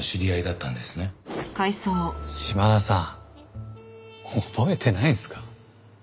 島田さん覚えてないんすか？